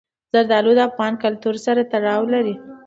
زردالو د افغان کلتور سره تړاو لري.